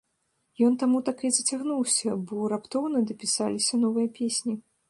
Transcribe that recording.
Ён таму так і зацягнуўся, бо раптоўна дапісаліся новыя песні.